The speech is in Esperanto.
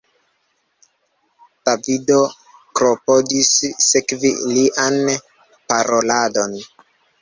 Davido klopodis sekvi lian paroladon.